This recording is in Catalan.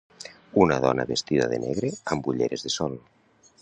Una dona vestida de negre amb ulleres de sol.